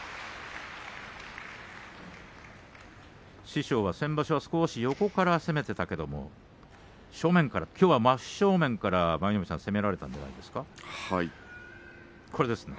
師匠は先場所は少し横から攻めていたけれど正面から、きょうは真正面から攻められたじゃないですか。